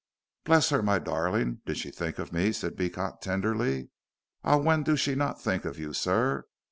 "Bless her, my darling. Did she think of me," said Beecot, tenderly. "Ah, when do she not think of you, sir?